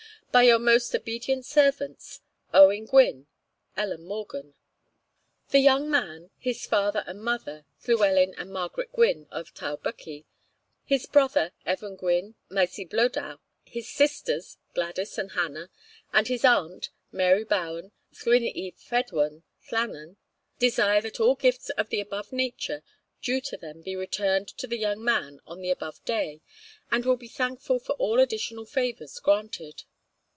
By your most obedient Servants, OWEN GWYN, ELEN MORGAN. The Young Man, his Father and Mother (Llewelyn and Margaret Gwyn, of Ty'r Bwci), his Brother (Evan Gwyn, Maes y Blodau), his Sisters (Gwladys and Hannah), and his Aunt (Mary Bowen, Llwyn y Fedwen, Llannon), desire that all gifts of the above nature due to them be returned to the Young Man on the above day, and will be thankful for all additional favours granted.